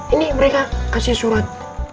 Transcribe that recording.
ini mereka kasih surat